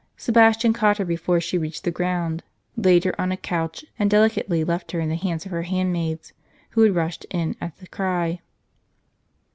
Sebastian caught her before she reached the ground, laid her on a couch, and delicately left her in the hands of her hand maids, who had rushed in at the cry.